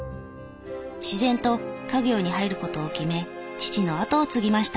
自然と家業に入ることを決め父の後を継ぎました。